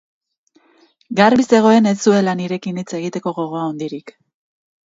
Garbi zegoen ez zuela nirekin hitz egiteko gogo handirik.